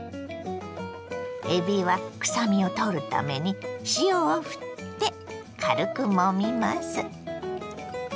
えびは臭みを取るために塩をふって軽くもみます。